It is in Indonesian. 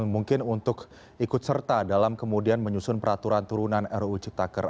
mungkin untuk ikut serta dalam kemudian menyusun peraturan turunan ruu ciptaker